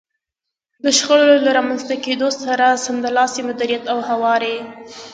د شخړو له رامنځته کېدو سره سملاسي مديريت او هواری.